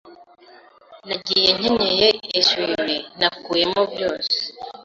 Nagiye nkenyeye eswime nakuyemo byose.